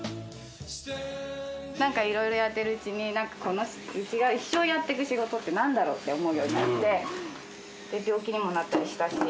なんかいろいろやってるうちにうちが一生やっていく仕事って何だろうって思うようになって病気にもなったりしたし。